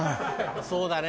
そうだね。